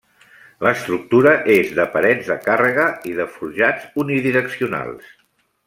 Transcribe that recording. L'estructura és de parets de càrrega i de forjats unidireccionals.